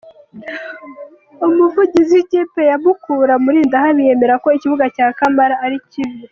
Umuvugizi w'ikipe ya Mukura, Murindahabi yemera ko ikibuga cya Kamana ari kibi.